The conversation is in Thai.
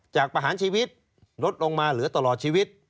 ประหารชีวิตลดลงมาเหลือตลอดชีวิต